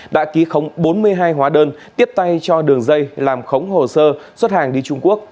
đã ký khống bốn mươi hai hóa đơn tiếp tay cho đường dây làm khống hồ sơ xuất hàng đi trung quốc